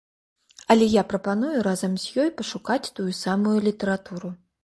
Але я прапаную разам з ёй пашукаць тую самую літаратуру.